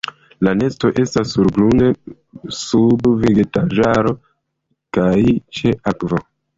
La nesto estas surgrunde sub vegetaĵaro kaj ĉe akvo.